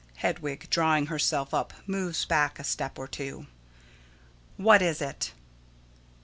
Hedwig: [Drawing herself up, moves back a step or two.] What is it?